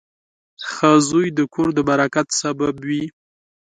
• ښه زوی د کور د برکت سبب وي.